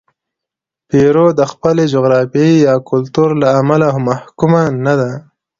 پیرو د خپلې جغرافیې یا کلتور له امله محکومه نه ده.